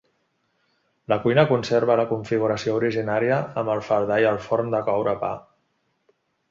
La cuina conserva la configuració originària amb el faldar i el forn de coure pa.